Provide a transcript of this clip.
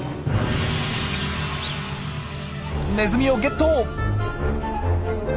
ネズミをゲット！